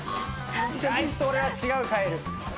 あいつと俺は違うカエル。